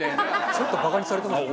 ちょっとバカにされてますね。